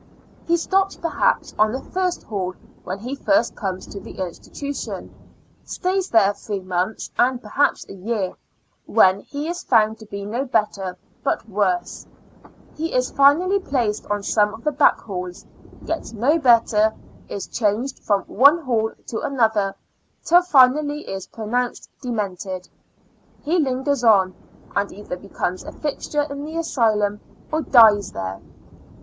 He stops perhaps on the first hall when he first comes to the institution ; stays there three months, and perhaps a year ; when he is found to be no better, but worse, he is finally placed on some of the back halls ; gets no better, is changed from one hall to another, till finally is pronounc ed demented ; he lingers on, and either IN A L UNA TIC ASYL U3L ^ 2 1 become a fixture in the asylum or dies there